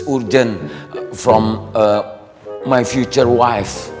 urgen dari istri saya